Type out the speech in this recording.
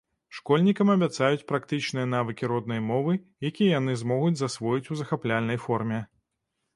Школьнікам абяцаюць практычныя навыкі роднай мовы, якія яны змогуць засвоіць у захапляльнай форме.